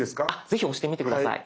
ぜひ押してみて下さい。